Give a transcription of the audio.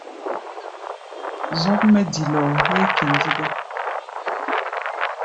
Zɔ́k mɛ́ dilɔɔ héé kɛndi gá.